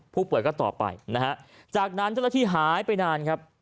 ผู้ป่วยก็ตอบไปนะฮะจากนั้นเจ้าหน้าที่หายไปนานครับ